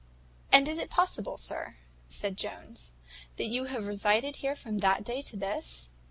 "And is it possible, sir," said Jones, "that you can have resided here from that day to this?"